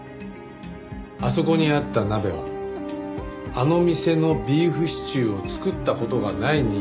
あそこにあった鍋はあの店のビーフシチューを作った事がない人間。